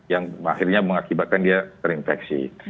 yang akhirnya mengakibatkan dia terinfeksi